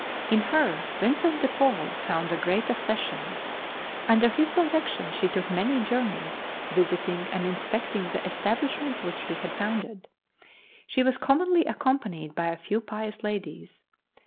In her Vincent de Paul found a great accession. Under his direction she took many journeys, visiting and inspecting the establishments which he had founded. She was commonly accompanied by a few pious ladies.